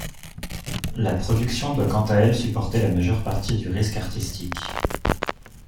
La production doit quant à elle supporter la majeure partie du risque artistique.